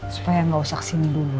supaya nggak usah kesini dulu